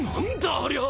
ありゃあ！